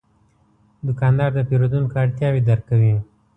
دوکاندار د پیرودونکو اړتیاوې درک کوي.